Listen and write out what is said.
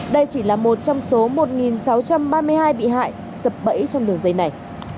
đây chỉ là một trong số một sáu trăm ba mươi hai bị hại sập bẫy trong đường dây này